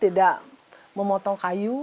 tidak memotong kayu